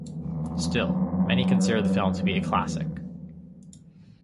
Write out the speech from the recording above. Still, many consider the film to be a classic.